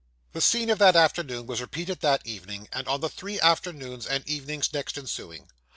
The scene of that afternoon was repeated that evening, and on the three afternoons and evenings next ensuing.